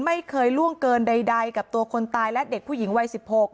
ไม่เคยล่วงเกินใดกับตัวคนตายและเด็กผู้หญิงวัย๑๖